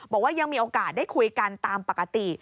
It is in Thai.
บอกว่ายังมีโอกาสได้คุยกันตามปกติ